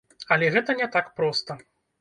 Але гэта не так проста.